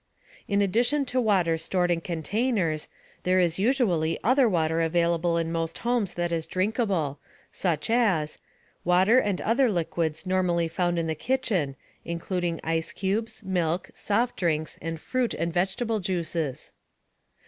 In addition to water stored in containers, there is usually other water available in most homes that is drinkable, such as: Water and other liquids normally found in the kitchen, including ice cubes, milk, soft drinks, and fruit and vegetable juices.